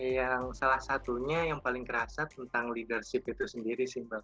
yang salah satunya yang paling kerasa tentang leadership itu sendiri sih mbak